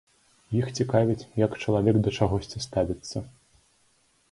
Іх цікавіць, як чалавек да чагосьці ставіцца.